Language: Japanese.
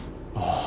ああ。